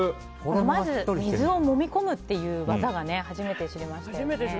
まず水をもみ込むという技を初めて知りましたよね。